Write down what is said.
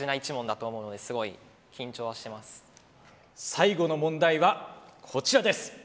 最後の問題はこちらです。